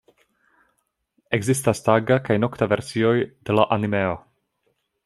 Ekzistas taga kaj nokta versioj de la animeo.